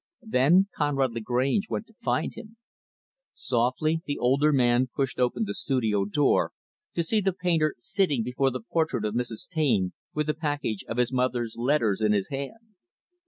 Then Conrad Lagrange went to find him. Softly, the older man pushed open the studio door to see the painter sitting before the portrait of Mrs. Taine, with the package of his mother's letters in his hand.